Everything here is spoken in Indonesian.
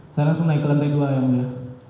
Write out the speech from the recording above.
saya langsung naik ke lantai dua yang mulia